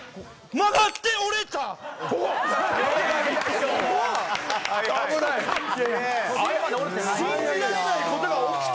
「曲がって折れた！」